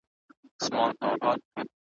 دا زخم ناسوري دی له دې قامه سره مل دی `